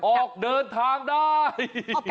ออกเดินทางได้